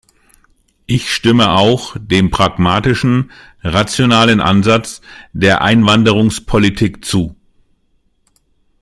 Ich stimme auch dem pragmatischen, rationalen Ansatz der Einwanderungspolitik zu.